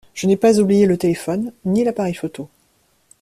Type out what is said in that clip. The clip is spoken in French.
Je n’ai pas oublié le téléphone, ni l’appareil photo.